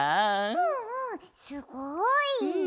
うんうんすごい！